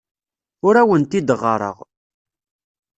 Ur awent-d-ɣɣareɣ.